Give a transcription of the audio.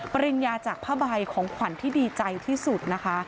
ปริญญาจากผ้าใบของขวัญที่ดีใจที่สุดนะคะ